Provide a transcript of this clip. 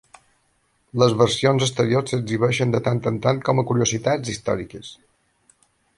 Les versions anteriors s'exhibeixen de tant en tant com a curiositats històriques.